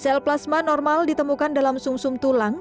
sel plasma normal ditemukan dalam sum sum tulang